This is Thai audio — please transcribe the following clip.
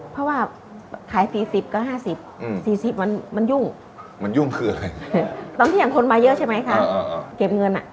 เพราะว่าขาย๔๐ก็๕๐๔๐มันยุ่งมันยุ่งคืออะไรตอนเที่ยงคนมาเยอะใช่ไหมคะเก็บเงินอ่ะ